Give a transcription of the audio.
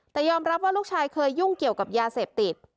แต่ยอมรับว่าลูกชายเคยยุ่งเกี่ยวกับยาเสพติด